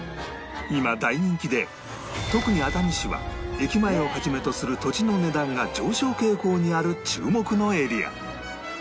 今大人気で特に熱海市は駅前を始めとする土地の値段が上昇傾向にある注目のエリア